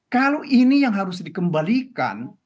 kalau ini yang harus dikembalikan